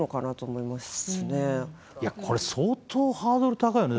いやこれ相当ハードル高いよね。